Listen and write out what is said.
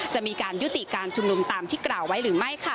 จะมีการยุติการชุมนุมตามที่กล่าวไว้หรือไม่ค่ะ